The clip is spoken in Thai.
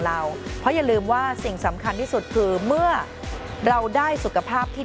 เราเพราะอย่าลืมว่าสิ่งสำคัญที่สุดคือเมื่อเราได้สุขภาพที่